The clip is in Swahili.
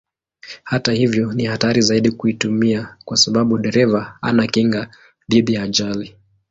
Hata hivyo ni hatari zaidi kuitumia kwa sababu dereva hana kinga dhidi ya ajali.